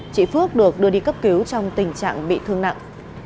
chị phước được đưa đi cấp cứu trong tình trạng bị thương nặng